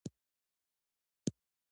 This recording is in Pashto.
ناسمه تغذیه ټولنه له ستونزو سره مخ کوي.